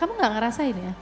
kamu gak ngerasain ya